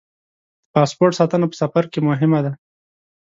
د پاسپورټ ساتنه په سفر کې مهمه ده.